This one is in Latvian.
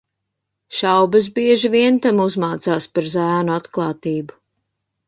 Šaubas bieži vien tam uzmācās par zēnu atklātību.